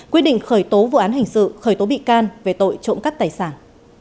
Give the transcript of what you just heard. quyết định khởi tố vụ án hình sự khởi tố bị can về tội trộm cắp tài sản